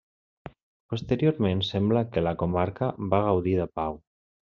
Posteriorment sembla que la comarca va gaudir de pau.